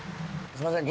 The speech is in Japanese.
すいません